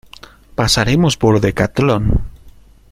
Pasaremos por Decatlon.